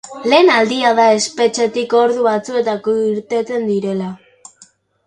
Lehen aldia da espetxetik ordu batzuetarako irteten direla.